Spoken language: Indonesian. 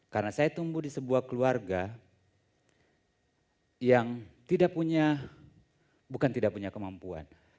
karena saya tumbuh di sebuah keluarga yang tidak punya bukan tidak punya kemampuan